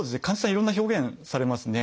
いろんな表現されますね。